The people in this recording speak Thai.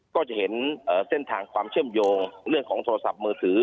ก็จะเห็นเส้นทางความเชื่อมโยงเรื่องของโทรศัพท์มือถือ